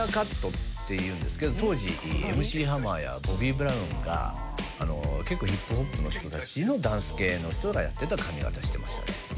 当時Ｍ．Ｃ．ハマーやボビー・ブラウンが結構ヒップホップの人たちのダンス系の人がやってた髪形してましたね。